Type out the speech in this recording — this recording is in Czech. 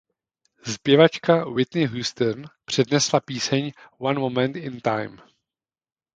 Zpěvačka Whitney Houston přednesla píseň „One Moment in Time“.